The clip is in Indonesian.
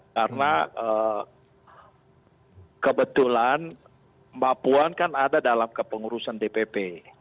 karena kebetulan mbak puan kan ada dalam kepengurusan dpp